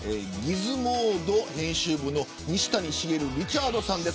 ギズモード編集部の西谷茂リチャードさんです。